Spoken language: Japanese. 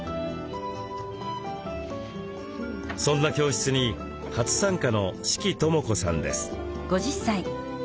そんな教室に初参加の志岐朋子さんです。